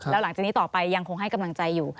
แล้วหลังจากนี้ต่อไปยังคงให้กำลังใจอยู่